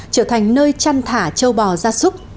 trở thành nơi trăn thả châu bò ra súc